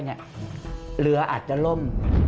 เรืออาจจะล่ม